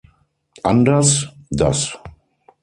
Anders, das.